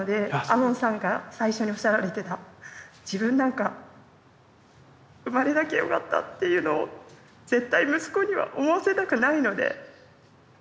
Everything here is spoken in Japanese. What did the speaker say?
門さんが最初におっしゃられてた自分なんか生まれなきゃよかったっていうのを絶対息子には思わせたくないので。